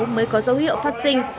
mới có dấu hiệu phát sinh